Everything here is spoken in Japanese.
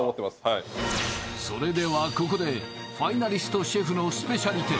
はいそれではここでファイナリストシェフのスペシャリテ